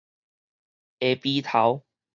下埤頭